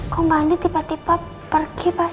kok mbak andin tiba tiba pergi pas